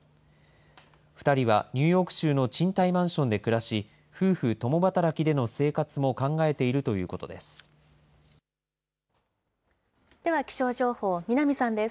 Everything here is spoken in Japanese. ２人はニューヨーク州の賃貸マンションで暮らし、夫婦共働きでの生活も考えているということです。